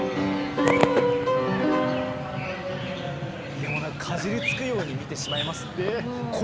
いやもうかじりつくように見てしまいますね。